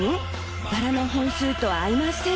バラの本数と合いません。